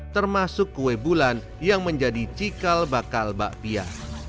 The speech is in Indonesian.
termasuk kue bulan yang menjadi cikal bakal bakpia